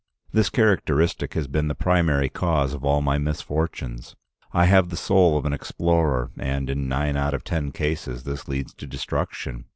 This characteristic has been the primary cause of all my misfortunes. I have the soul of an explorer, and in nine out of ten cases this leads to destruction.